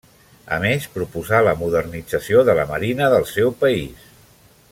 A més, proposà la modernització de la marina del seu país.